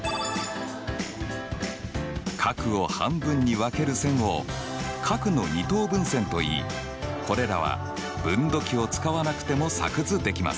角を半分に分ける線を角の二等分線といいこれらは分度器を使わなくても作図できます。